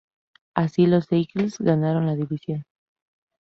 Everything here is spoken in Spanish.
Así los Eagles ganaron la división.